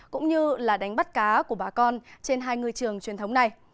cũng như là đánh bắt cá của bà con trên hai ngư trường truyền thống này